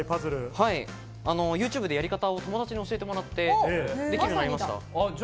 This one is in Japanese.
はい、ＹｏｕＴｕｂｅで友達にやり方を教えてもらってできるようになりました。